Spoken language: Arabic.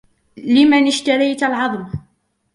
لمن اشتريت العظم ؟